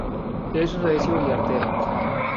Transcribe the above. Es recio y artero.